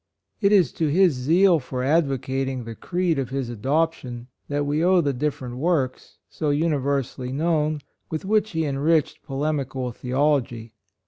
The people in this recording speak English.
It is to his zeal for advocating the creed of his adoption that we owe the different works, so universally known, with which he enriched po lemical theology.